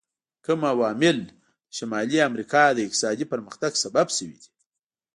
کوم عوامل د شمالي امریکا د اقتصادي پرمختګ سبب شوي دي؟